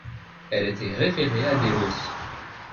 Elle était révérée à Délos.